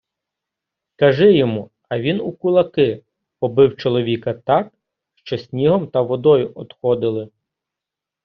Кажи йому, а він у кулаки, побив чоловіка так, що снігом та водою одходили.